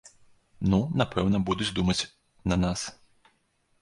Ну, напэўна, будуць думаць на нас.